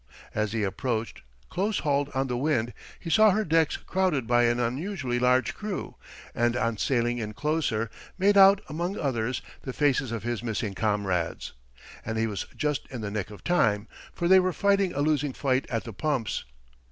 As he approached, close hauled on the wind, he saw her decks crowded by an unusually large crew, and on sailing in closer, made out among others the faces of his missing comrades. And he was just in the nick of time, for they were fighting a losing fight at the pumps.